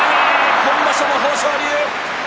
今場所も豊昇龍。